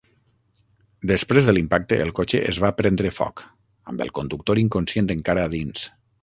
Després de l'impacte, el cotxe es va prendre foc, amb el conductor inconscient encara a dins.